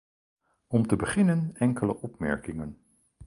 Om te beginnen enkele opmerkingen.